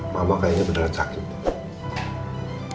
mama kayaknya beneran sakit